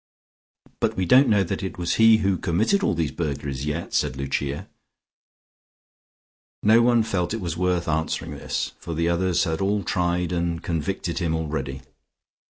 "But we don't know that it was he who committed all these burglaries yet," said Lucia. No one felt it was worth answering this, for the others had all tried and convicted him already.